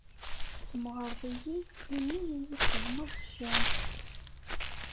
Tesmeɣreḍ-iyi imi i iyi-txedmeḍ ccan.